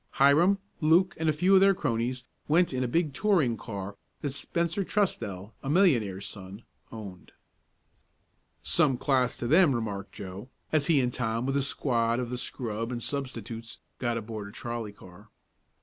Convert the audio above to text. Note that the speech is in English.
Hiram, Luke and a few of their cronies went in a big touring car that Spencer Trusdell, a millionaire's son, owned. "Some class to them," remarked Joe, as he and Tom with a squad of the scrub and substitutes, got aboard a trolley car.